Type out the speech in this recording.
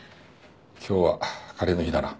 今日はカレーの日だな。